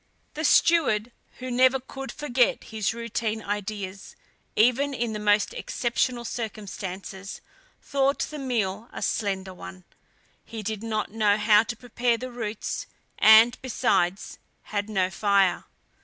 The steward, who never could forget his routine ideas, even in the most exceptional circumstances, thought the meal a slender one. He did not know how to prepare the roots, and, besides, had no fire.